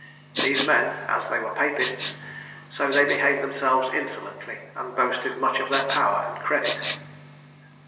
These men, as they were Papists, so they behaved themselves insolently, and boasted much of their power and credit.